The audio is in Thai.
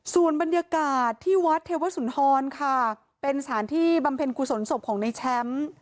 ส่วนบรรยากาศที่วัดเทวสุนทรค่ะเป็นสถานที่บำเพ็ญกุศลศพของในแชมป์